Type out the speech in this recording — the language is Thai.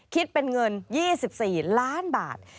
คิดเป็นเงิน๒๔ล้านบาท